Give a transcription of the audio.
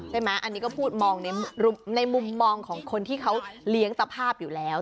ใช่ไหมอันนี้ก็พูดมองในมุมมองของคนที่เขาเลี้ยงสภาพอยู่แล้ว